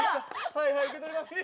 はいはい受け取ります。